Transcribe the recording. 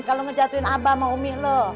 kalo ngejatuhin abah sama umi lo